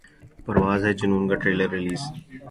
پرواز ہے جنون کا ٹریلر ریلیز